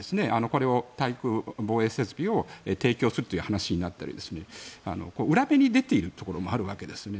これを対空防衛設備を提供するという話になったり裏目に出ているところもあるわけですね。